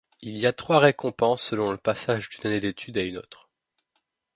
Il y a trois récompenses selon le passage d'une année d'étude à une autre.